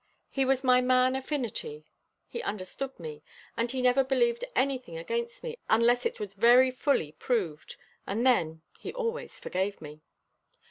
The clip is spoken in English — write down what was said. He was my man affinity. He understood me, and he never believed anything against me unless it was very fully proved, and then he always forgave me.